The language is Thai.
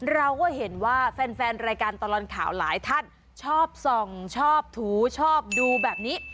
เราก็เห็นว่าแฟนรายการตลอดข่าวหลายท่านชอบส่องชอบถูชอบดูแบบนี้